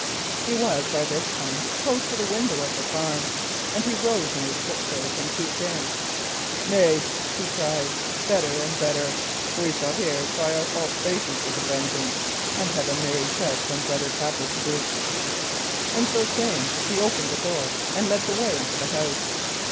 He was by this time close to the window of the farm, and he rose on his tip toes and peeped in. "Nay," he cried, "better and better. We shall here try our false faces with a vengeance, and have a merry jest on Brother Capper to boot." And so saying, he opened the door and led the way into the house.